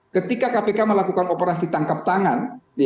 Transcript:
ketika kpk melakukan operasi tangkap tangan